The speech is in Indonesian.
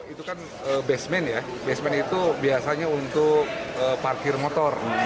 itu kan basement ya basement itu biasanya untuk parkir motor